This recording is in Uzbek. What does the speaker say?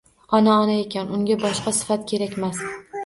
Ona — ona ekan. Unga boshqa sifat kerakmas.